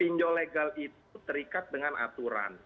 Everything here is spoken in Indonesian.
pinjol legal itu terikat dengan aturan